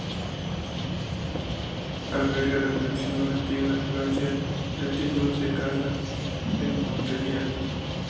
Alberga la colección más antigua de Francia de artículos de caza de montería.